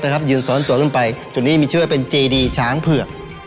นะครับยืนสอนตัวขึ้นไปจุดนี้มีชื่อว่าเป็นช้างเผือก